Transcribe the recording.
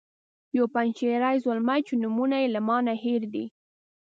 یو پنجشیری زلمی چې نومونه یې له ما نه هیر دي.